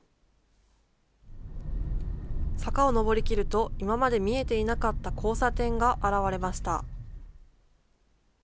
坂を上りきると、今まで見えていなかった交差点が現れました。